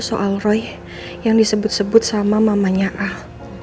soal roy yang disebut sebut sama mamanya al